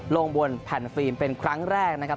ลงบนแผ่นฟิล์มเป็นครั้งแรกนะครับ